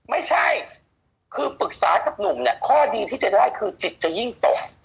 ไม่ใช่คือปรึกษากับหนุ่มเนี่ยข้อดีที่จะได้คือจิตจะยิ่งตก